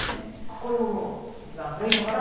これがもう一番古いのから。